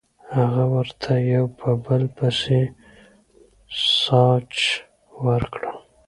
هغه ورته یو په بل پسې ساسج ورکړل